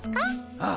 ああ。